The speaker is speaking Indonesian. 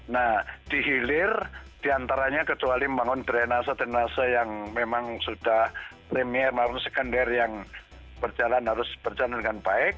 nah dihilir diantaranya kecuali membangun drenase drenase yang memang sudah premier maupun sekender yang berjalan harus berjalan dengan baik